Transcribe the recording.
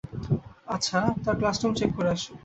আচ্ছা, তার classroom check করে আসো।